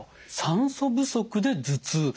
酸素不足で頭痛。